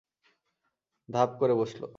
ধাপ করে বসল।